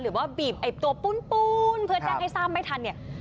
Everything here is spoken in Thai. หรือว่าบีบไอ้ตัวปูนเพื่อแจ้งให้ทราบไม่ทันเนี่ย